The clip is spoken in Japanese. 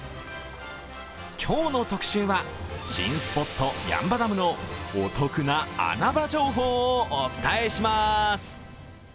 今日の特集は、新スポット八ッ場ダムのお得な穴場情報をお伝えします。